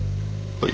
はい。